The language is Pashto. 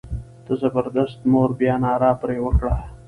د زبردست مور بیا ناره پر وکړه.